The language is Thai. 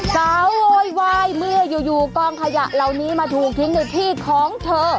สาวโวยวายเมื่ออยู่กองขยะเหล่านี้มาถูกทิ้งในที่ของเธอ